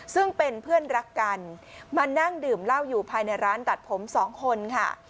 ซึ่งเป็นเพื่อนรักกันมานั่งดื่มเหล้าอยู่ภายในร้านตัดผมสองคนค่ะ